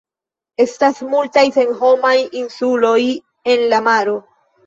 Estas multaj senhomaj insuloj en la maro.